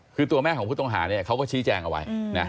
คือตัวแม่ของผู้ต้องหาเนี่ยเขาก็ชี้แจงเอาไว้นะ